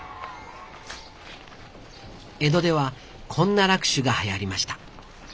江戸ではこんな落首がはやりました。